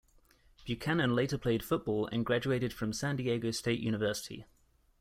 Buchanon later played football and graduated from San Diego State University.